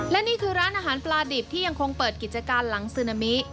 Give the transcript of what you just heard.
และนี่คือร้านอาหารปลาดิบที่ยังคงเปิดกิจการหลังซึนามิ